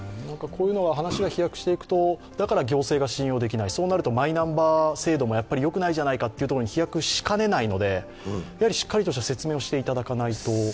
話が飛躍していくとだから行政が信用できないそうなるとマイナンバー制度もよくないんじゃないかというところに飛躍しかねないのでしっかりとした説明をしていただかないと。